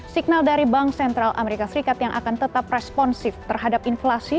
signal dari bank sentral amerika serikat yang akan tetap responsif terhadap inflasi